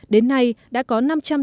đến nay đã có năm trăm tám mươi bốn